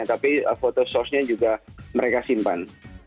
tapi foto source nya juga mereka simpan